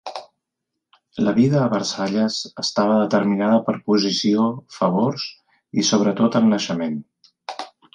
La vida a Versalles estava determinada per posició, favors i, sobretot, el naixement.